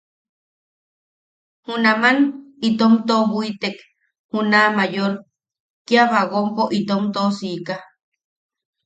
Junaman itom toʼobwitek juna Mayor, kia bagonpo itom toʼosika.